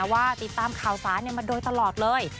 ว่าติดตามข่าวสารมาโดยตลอดเลย